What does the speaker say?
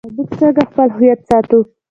موږ څنګه خپل هویت ساتو؟